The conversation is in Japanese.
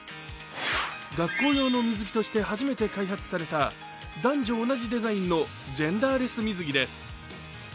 学校用の水着として初めて開発された男女同じデザインのジェンダーレス水着です。